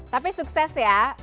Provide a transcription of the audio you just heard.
tapi sukses ya